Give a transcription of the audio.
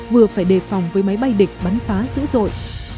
vừa phải đề phòng với máy bay địch bắn phá dữ dội